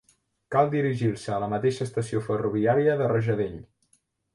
Cal dirigir-se a la mateixa estació ferroviària de Rajadell.